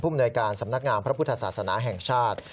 มนวยการสำนักงามพระพุทธศาสนาแห่งชาติ